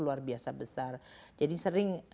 luar biasa besar jadi sering